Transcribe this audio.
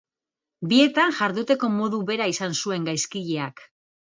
Bietan jarduteko modu bera izan zuen gaizkileak.